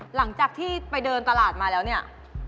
หลังจากที่ไปเดินตลาดมาแล้วเนี่ย